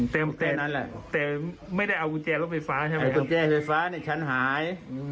แต่ไม่ได้เอากุญแจรถไฟฟ้าใช่ไหมไอ้กุญแจไฟฟ้านี่ฉันหาย